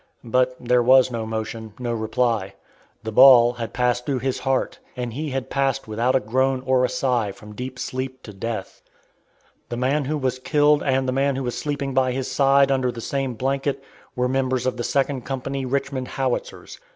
But there was no motion, no reply. The ball had passed through his heart, and he had passed without a groan or a sigh from deep sleep to death. The man who was killed and the man who was sleeping by his side under the same blanket, were members of the Second Company Richmond Howitzers.